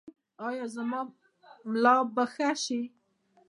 ایا زما ملا به ښه شي؟